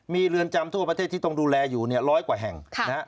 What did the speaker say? มีเรือนจำทั่วประเทศที่ต้องดูแลอยู่ร้อยกว่าแห่ง